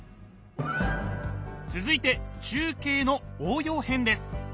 続いて中継の応用編です。